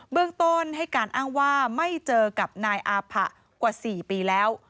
เรื่องต้นให้การอ้างว่าไม่เจอกับนายอาผะกว่า๔ปีแล้ว